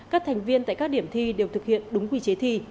các thành viên tại các điểm thi đều thực hiện đúng quy chế thi